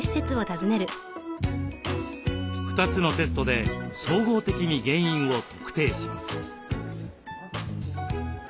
２つのテストで総合的に原因を特定します。